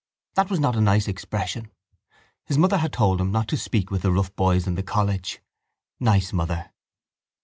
That was not a nice expression. His mother had told him not to speak with the rough boys in the college. Nice mother!